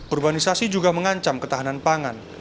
urbanisasi juga mengancam ketahanan pangan